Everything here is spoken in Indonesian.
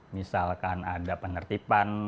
misalkan ada penertipan